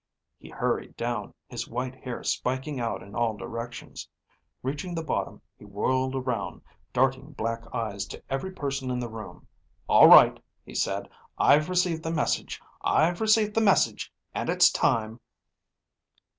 He hurried down, his white hair spiking out in all directions. Reaching the bottom, he whirled around, darting black eyes to every person in the room. "All right," he said. "I've received the message. I've received the message. And it's time."